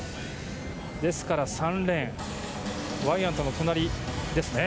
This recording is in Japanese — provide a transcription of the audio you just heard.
ですから３レーンワイヤントの隣ですね。